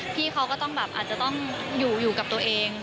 พี่เขาก็ต้องแบบอาจจะต้องอยู่กับตัวเอง